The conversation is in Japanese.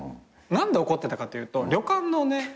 何で怒ってたかというと旅館のね。